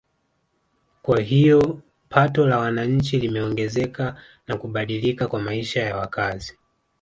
Kwa hiyo pato la wananchi limeongezeka na kubadilika kwa maisha ya wakazi